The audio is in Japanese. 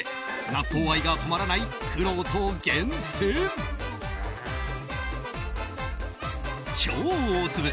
納豆愛が止まらないくろうと厳選超大粒！